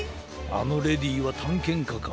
あのレディーはたんけんかか。